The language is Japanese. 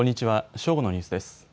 正午のニュースです。